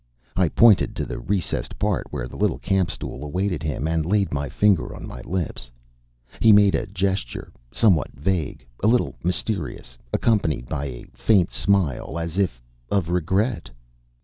I pointed to the recessed part where the little campstool awaited him and laid my finger on my lips. He made a gesture somewhat vague a little mysterious, accompanied by a faint smile, as if of regret.